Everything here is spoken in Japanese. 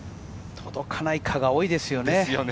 届かないか、が多いですよね。